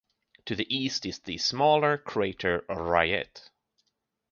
To the east is the smaller crater Rayet.